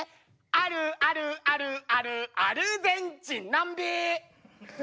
「あるあるあるあるアルゼンチン南米！」